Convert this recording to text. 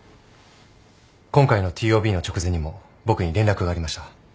今回のＴＯＢの直前にも僕に連絡がありました。